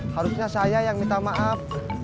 harusnya saya yang minta maaf